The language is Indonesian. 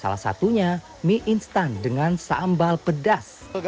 salah satunya mie instan dengan sambal pedas